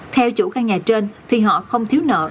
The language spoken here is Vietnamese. theo chủ căn nhà trên thì họ không thiếu nợ